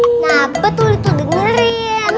kenapa tuh lu tuh dengerin